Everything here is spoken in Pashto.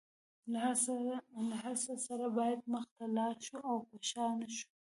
له هر څه سره باید مخ ته لاړ شو او په شا نشو.